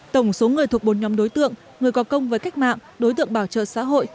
tổng số người thuộc bốn nhóm đối tượng người có công với cách mạng đối tượng bảo trợ xã hội